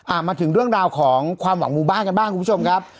มาถึงเรื่องราวของความหวังหมู่บ้านกันบ้างคุณผู้ชมครับ